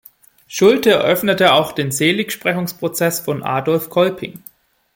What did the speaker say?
Schulte eröffnete auch den Seligsprechungsprozess von Adolph Kolping.